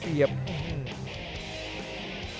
จัดสีบด้วยครับจัดสีบด้วยครับ